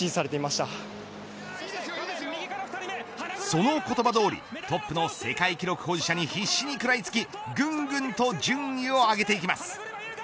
その言葉どおりトップの世界記録保持者に必死に食らいつきぐんぐんと順位を上げていきます。